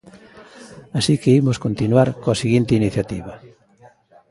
Así que imos continuar coa seguinte iniciativa.